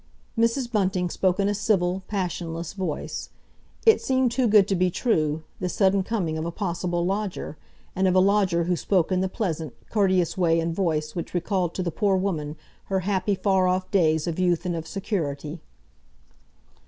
Mrs. Bunting spoke in a civil, passionless voice. It seemed too good to be true, this sudden coming of a possible lodger, and of a lodger who spoke in the pleasant, courteous way and voice which recalled to the poor woman her happy, far off days of youth and of security.